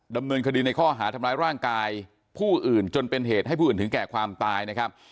ดำเนินคดีในข้อหาทำร้ายร่างกายผู้อื่นจนเป็นเหตุให้ผู้อื่นถึงแก่ความตายนะครับ